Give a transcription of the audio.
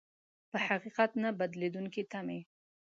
په حقيقت نه بدلېدونکې تمې.